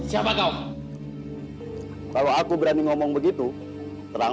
itu ada ceritanya dari kuliahku